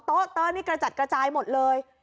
โต๊ะเต๊ะนี่กระจัดกระจายหมดเลย